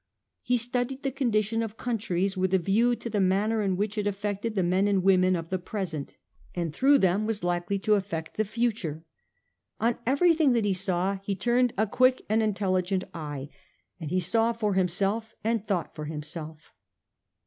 He studied the condition of countries with a view to the manner in which it affected the men and women of the present, and VOL. i. z 3B8 A HISTORY OF OUR OWN TIMES. ch. xrv through them was likely to affect the future. On every thing that he saw he turned a quick and intelligent eye ; and he saw for himself and thought for himself.